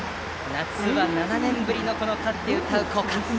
夏は７年ぶりの勝って歌う校歌。